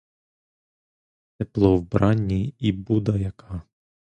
Тепло вбрані, і буда яка!